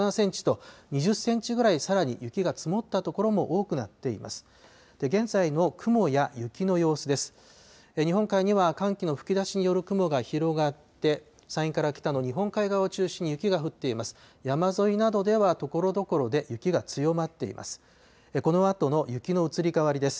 日本海には寒気の吹き出しによる雲が広がって、山陰から北の日本海側を中心に雪が降っています。